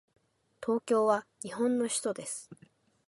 東京は日本の首都です。